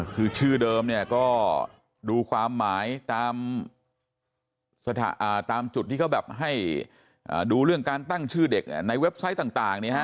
คือชื่อเดิมเนี่ยก็ดูความหมายตามจุดที่เขาแบบให้ดูเรื่องการตั้งชื่อเด็กในเว็บไซต์ต่าง